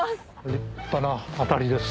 立派な当たりです。